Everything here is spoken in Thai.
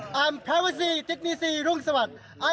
ผมพลาเวอร์ซีติ๊กนีซีรุ่งสวัสดิ์